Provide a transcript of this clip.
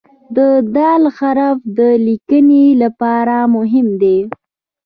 د "د" حرف د لیکنې لپاره مهم دی.